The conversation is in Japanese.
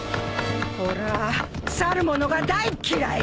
俺ぁ去る者が大っ嫌い！